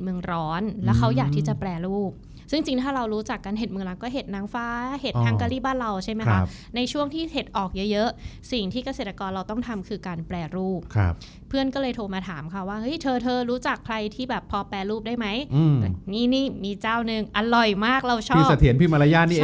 เออแบบเธอทำเมืองร้อนสนมั้ย